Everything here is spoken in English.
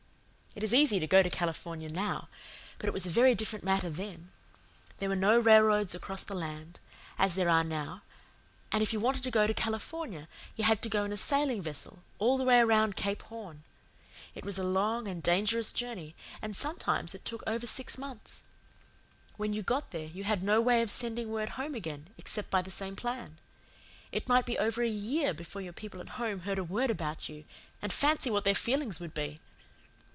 "It is easy to go to California now; but it was a very different matter then. There were no railroads across the land, as there are now, and if you wanted to go to California you had to go in a sailing vessel, all the way around Cape Horn. It was a long and dangerous journey; and sometimes it took over six months. When you got there you had no way of sending word home again except by the same plan. It might be over a year before your people at home heard a word about you and fancy what their feelings would be!